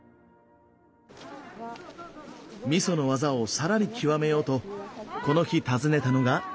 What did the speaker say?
みその技をさらに極めようとこの日訪ねたのが。